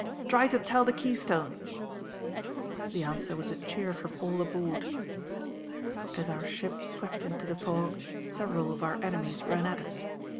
Try to tell the Keystone." The answer was a cheer from all aboard. As our ship swept into the fog, several of our enemies ran at us.